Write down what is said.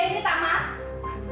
bia ini tak mas